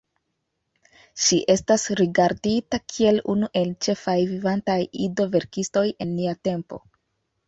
Ŝi estas rigardita kiel unu el ĉefaj vivantaj ido-verkistoj en nia tempo.